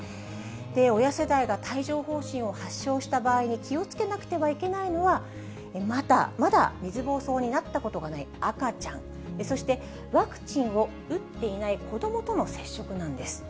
親世代が帯状ほう疹を発症した場合に気をつけなくてはいけないのは、まだ水ぼうそうになったことがない赤ちゃん、そしてワクチンを打っていない子どもとの接触なんです。